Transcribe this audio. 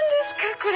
⁉これ。